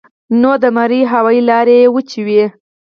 نو د مرۍ هوائي لارې وچې وي